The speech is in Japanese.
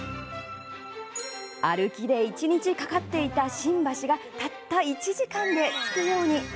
歩きで１日かかっていた新橋がたった１時間で着くように！